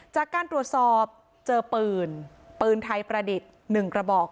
จากการตรวจสอบเจอปืนปืนไทยประดิษฐ์๑กระบอก